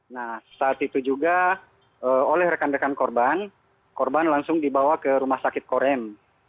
nah saat itu juga oleh rekan rekan korban korban langsung dibawa ke rumah sakit korem